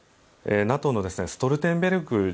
ＮＡＴＯのストルテンベルグ